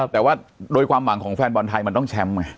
แต่ว่าโดยความหวังของแฟนบอลไทยมันต้องแชมป์ไง